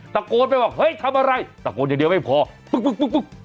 ตะโกนไปบอกเฮ้ยทำอะไรตะโกนอย่างเดียวไม่พอปึ๊ก